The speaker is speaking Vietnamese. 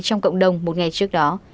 trong cộng đồng một ngày trước đó